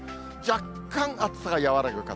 若干暑さが和らぐ形。